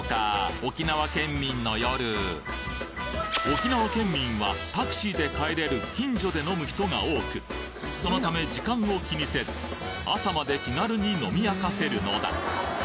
沖縄県民はタクシーで帰れる近所で飲む人が多くそのため時間を気にせず朝まで気軽に飲みあかせるのだ！